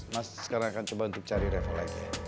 mas sekarang akan coba untuk cari revel lagi